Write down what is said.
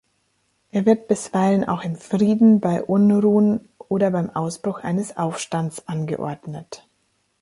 Er wird bisweilen auch im Frieden bei Unruhen oder beim Ausbruch eines Aufstands angeordnet.